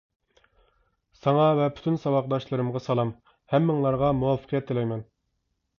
ساڭا ۋە پۈتۈن ساۋاقداشلىرىمغا سالام، ھەممىڭلارغا مۇۋەپپەقىيەت تىلەيمەن.